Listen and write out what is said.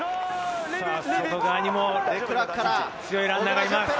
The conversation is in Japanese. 外側にも強いランナーがいます。